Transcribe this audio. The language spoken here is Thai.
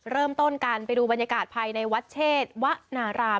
เริ่มต้นกันไปดูบรรยากาศภายในวัดเชษวะนาราม